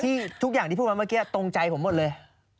ทุกอย่างที่พูดมาเมื่อกี้ตรงใจผมหมดเลย